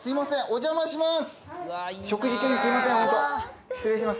お邪魔します。